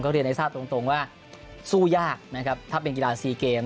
เรียนให้ทราบตรงว่าสู้ยากนะครับถ้าเป็นกีฬาซีเกม